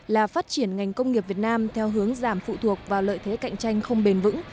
là phát triển ngành công nghiệp việt nam theo hướng giảm phụ thuộc vào lợi thế cạnh tranh không bền vững